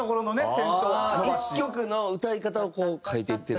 １曲の歌い方をこう書いていってるっていう？